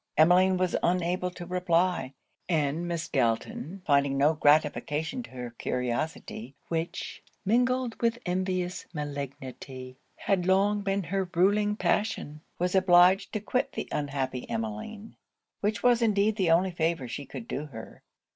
Emmeline was unable to reply; and Miss Galton finding no gratification to her curiosity, which, mingled with envious malignity, had long been her ruling passion, was obliged to quit the unhappy Emmeline; which was indeed the only favour she could do her.